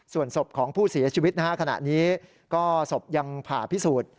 ส่วนศพของผู้เสียชีวิตนะฮะขณะนี้ก็ศพยังผ่าพิสูจน์